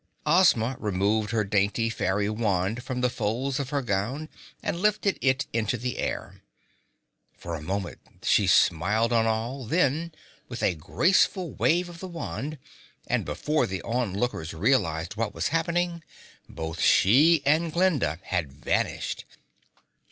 Ozma removed her dainty fairy wand from the folds of her gown and lifted it into the air. For a moment she smiled on all, then, with a graceful wave of the wand and before the onlookers realized what was happening, both she and Glinda had vanished.